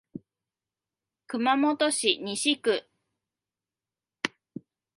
熊本市西区